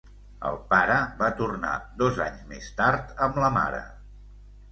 El pare va tornar dos anys més tard amb la mare.